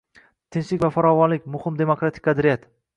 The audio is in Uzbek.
Tinchlik va farovonlik — muhim demokratik qadriyat